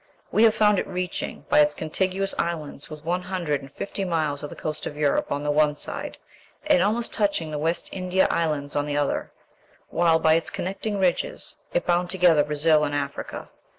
We have found it reaching, by its contiguous islands, within one hundred and fifty miles of the coast of Europe on the one side, and almost touching the West India Islands on the other, while, by its connecting ridges, it bound together Brazil and Africa.